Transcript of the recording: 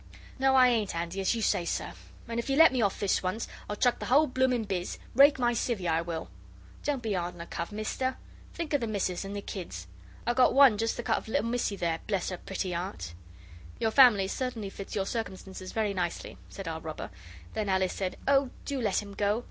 'No, I ain't 'andy, as you say, sir, and if you let me off this once I'll chuck the whole blooming bizz; rake my civvy, I will. Don't be hard on a cove, mister; think of the missis and the kids. I've got one just the cut of little missy there bless 'er pretty 'eart.' 'Your family certainly fits your circumstances very nicely,' said our robber. Then Alice said 'Oh, do let him go!